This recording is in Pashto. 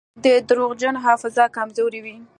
د درواغجن حافظه کمزورې وي.